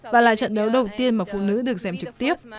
và là trận đấu đầu tiên mà phụ nữ được xem trực tiếp